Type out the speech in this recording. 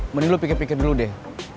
meni lu pikir pikir dulu deh